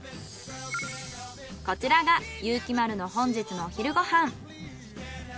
こちらが有希丸の本日のお昼ご飯。